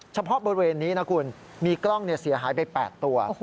เฉพาะบริเวณนี้นะคุณมีกล้องเสียหายไป๘ตัว